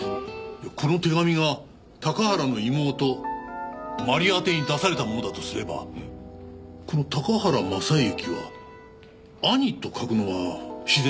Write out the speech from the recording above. この手紙が高原の妹真理あてに出されたものだとすればこの「高原雅之」は「兄」と書くのが自然なんじゃないでしょうか？